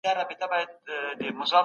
که مغولو ظلم نه وای کړی، خلک به خوښ وو.